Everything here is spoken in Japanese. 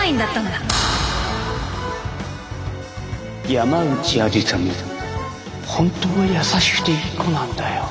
山内愛理沙も本当は優しくていい子なんだよ。